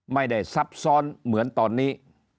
ไม่ได้ซับซ้อนเหมือนตอนนี้